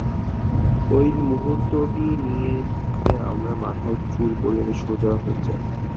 ওই মুহূর্তটি নিয়ে ভেবে আমার মাথার চুল পর্যন্ত সোজা হয়ে যায়।